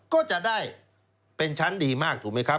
ก็จะได้เป็นชั้นดีมากถูกไหมครับ